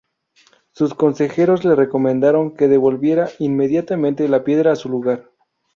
Sus consejeros le recomendaron que devolviera inmediatamente la piedra a su lugar.